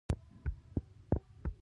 مصنوعي ځیرکتیا د محتوا تولید اسانه کوي.